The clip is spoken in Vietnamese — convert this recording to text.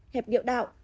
hẹp niệu đạo